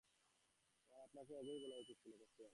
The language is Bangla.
আমার আপনাকে আগেই বলা উচিত ছিল, ক্যাপ্টেন।